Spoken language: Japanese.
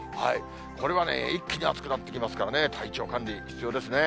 これは一気に暑くなってきますからね、体調管理、必要ですね。